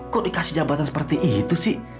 kok dikasih jabatan seperti itu sih